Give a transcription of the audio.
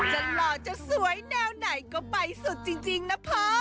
หล่อจะสวยแนวไหนก็ไปสุดจริงนะพ่อ